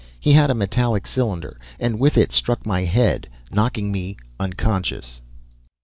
He had a metallic cylinder, and with it struck my head, knocking "me" unconscious.